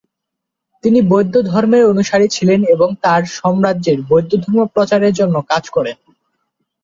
তিনি বৌদ্ধ ধর্মের অনুসারী ছিলেন এবং তার সাম্রাজ্যে বৌদ্ধ ধর্ম প্রচারের জন্য কাজ করেন।